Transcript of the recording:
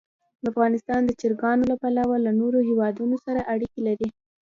افغانستان د چرګانو له پلوه له نورو هېوادونو سره اړیکې لري.